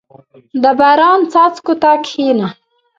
• د باران څاڅکو ته کښېنه.